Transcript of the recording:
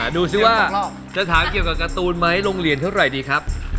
ดูสิว่าจะถามเกี่ยวกับการ์ตูนไหมโรงเรียนเท่าไหร่ดีครับ